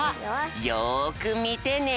よくみてね。